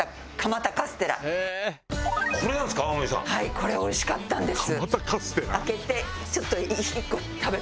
これおいしかったんです。